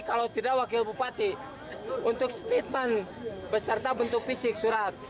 kalau tidak wakil bupati untuk statement beserta bentuk fisik surat